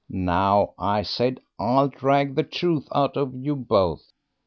'Now,' I said, 'I'll drag the truth out of you both.'